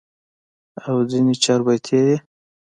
او ځني چاربيتې ئې